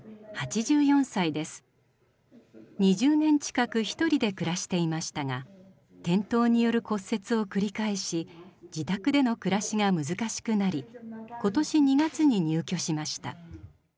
２０年近く一人で暮らしていましたが転倒による骨折を繰り返し自宅での暮らしが難しくなり今年２月に入居しました。